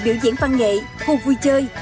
biểu diễn văn nghệ khu vui chơi